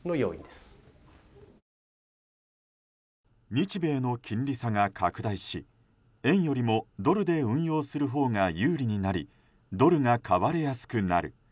日米の金利差が拡大し円よりもドルで運用するほうが有利になりドルが買われやすくなる。